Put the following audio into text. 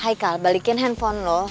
hai kal balikin handphone lo